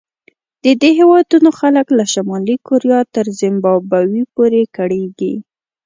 د دې هېوادونو خلک له شمالي کوریا تر زیمبابوې پورې کړېږي.